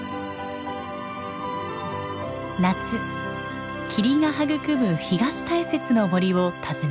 夏霧が育む東大雪の森を訪ねます。